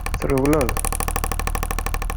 Trewled.